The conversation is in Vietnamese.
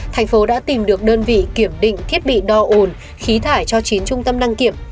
thành phố đã tìm được đơn vị kiểm định thiết bị đo ồn khí thải cho chín trung tâm đăng kiểm